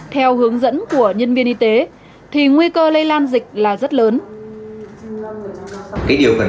theo hướng dẫn của nhân viên y tế thì nguy cơ lây lan dịch là rất lớn